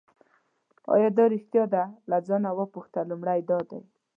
آیا دا ریښتیا دي له ځانه وپوښته لومړی دا دی.